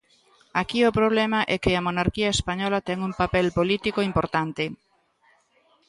Aquí o problema é que a monarquía española ten un papel político importante.